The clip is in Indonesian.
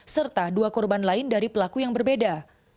serta dua korban lain dari pelaku yang berbeda